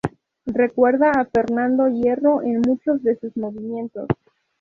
Recuerda a Fernando Hierro en muchos de sus movimientos.